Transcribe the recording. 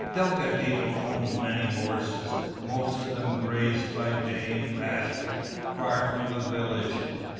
Delgadito owned many horses. Most of them grazed by day in pastures far from the village.